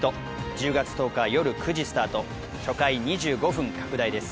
１０月１０日よる９時スタート初回２５分拡大です